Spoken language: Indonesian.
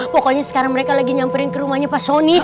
pokoknya sekarang mereka lagi nyamperin ke rumahnya pak soni